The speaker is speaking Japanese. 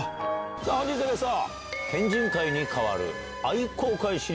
さぁ本日のゲスト。